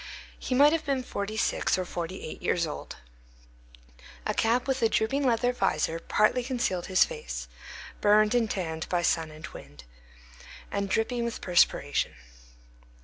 He might have been forty six or forty eight years old. A cap with a drooping leather visor partly concealed his face, burned and tanned by sun and wind, and dripping with perspiration.